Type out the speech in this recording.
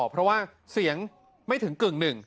เพราะว่าเสียงไม่ถึงกึ่งหนึ่ง